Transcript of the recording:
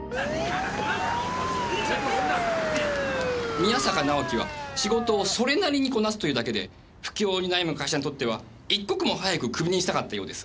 宮坂直樹は仕事をそれなりにこなすというだけで不況に悩む会社にとっては一刻も早くクビにしたかったようです。